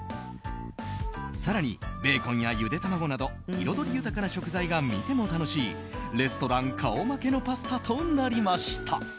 更に、ベーコンやゆで卵など彩り豊かな食材が、見ても楽しいレストラン顔負けのパスタとなりました。